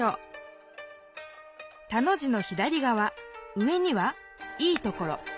田の字の左がわ上には「いいところ」。